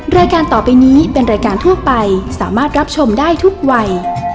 รายการต่อไปนี้เป็นรายการทั่วไปสามารถรับชมได้ทุกวัย